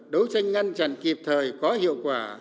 đấu tranh ngăn chặn kịp thời có hiệu quả